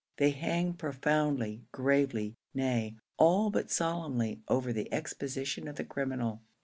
They hang profoundly, gravely nay, all but solemnly over the exposition of the criminal.